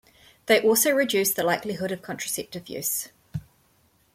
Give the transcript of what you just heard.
They also reduce the likelihood of contraceptive use.